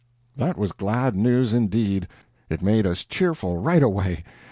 That was glad news, indeed. It made us cheerful right away.